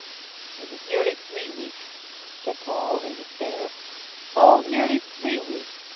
"It was nearly three weeks," said Paul in despair. "Oh; nearly three weeks!